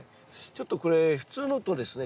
ちょっとこれ普通のとですね